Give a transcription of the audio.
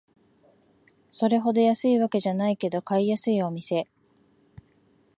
それほど安いわけじゃないけど買いやすいお店